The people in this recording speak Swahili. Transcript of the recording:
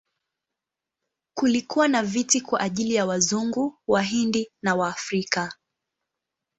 Kulikuwa na viti kwa ajili ya Wazungu, Wahindi na Waafrika.